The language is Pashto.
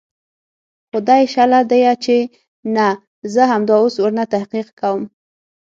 خو دى شله ديه چې نه زه همدا اوس ورنه تحقيق کوم.